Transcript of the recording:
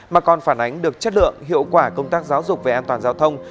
mà còn phản ánh được chất lượng hiệu quả công tác giáo dục về an toàn giao thông